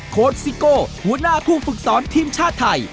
โค้ชซิโก้หัวหน้าผู้ฝึกสอนทีมชาติไทย